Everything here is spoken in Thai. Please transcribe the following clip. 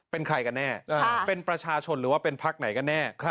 เป็นใครกันแน่เป็นประชาชนหรือว่าเป็นพักไหนกันแน่